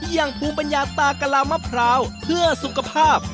อย่างภูมิปัญญาตากะลามะพร้าวเพื่อสุขภาพ